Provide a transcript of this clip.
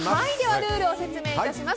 ルールを説明いたします。